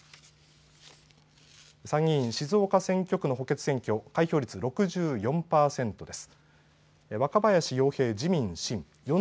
参議院静岡選挙区の補欠選挙開票率６４％です。